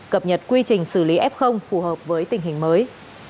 cập nhật quy trình xử lý f phù hợp với tình hình mới